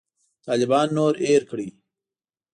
طالبان نور هېر کړي.